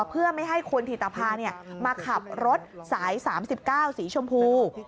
เพื่อไม่ให้คุณถิตภามาขับรถสาย๓๙สีชมพู